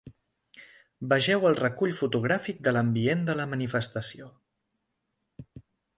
Vegeu el recull fotogràfic de l’ambient de la manifestació.